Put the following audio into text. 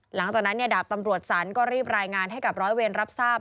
หลังตอนนั้นเนี่ยดับปำรวจสรรค์ก็รีบรายงานให้กับร้อยเวียนรับทราบ